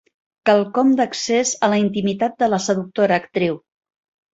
Quelcom d'accés a la intimitat de la seductora actriu.